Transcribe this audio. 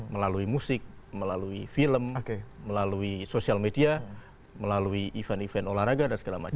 melalui musik melalui film melalui sosial media melalui event event olahraga dan segala macam